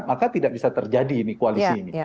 maka tidak bisa terjadi ini koalisi ini